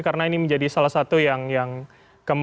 karena ini menjadi salah satu yang kemudian dipersoalkan